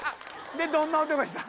でどんな音がしたん？